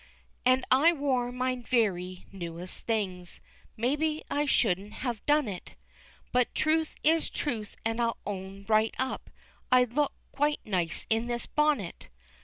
And I wore my very newest things, Maybe I shouldn't have done it, But truth is truth, and I'll own right up, I look quite nice in this bonnet.